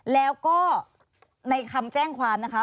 แล้วก็ในคำแจ้งความนะคะ